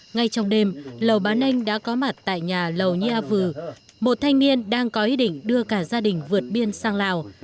ngay trong đêm lầu bán anh đã có mặt tại nhà lầu nhi a vử một thanh niên đang có ý định đưa cả gia đình vượt biên sang lào